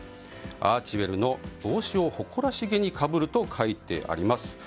アーチウェルの帽子を誇らしげにかぶると書いてあります。